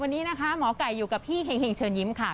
วันนี้นะคะหมอไก่อยู่กับพี่เห็งเชิญยิ้มค่ะ